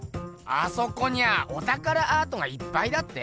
あそこにゃおたからアートがいっぱいだって？